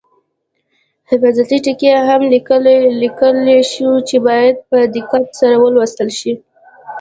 حفاظتي ټکي هم لیکل شوي چې باید په دقت سره ولوستل شي.